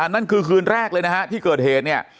นั่นคือคืนแรกเลยนะฮะที่เกิดเหตุเนี่ย